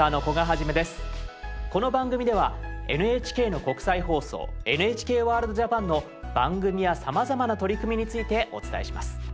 この番組ではＮＨＫの国際放送「ＮＨＫＷＯＲＬＤ−ＪＡＰＡＮ」の番組やさまざまな取り組みについてお伝えします。